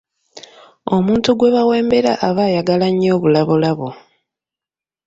Omuntu gwe bawembera aba ayagala nnyo obulabolabo.